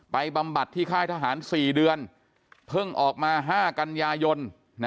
บำบัดที่ค่ายทหาร๔เดือนเพิ่งออกมา๕กันยายน